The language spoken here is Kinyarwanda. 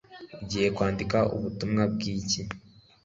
ugiye kwandika ubutumwa bwiki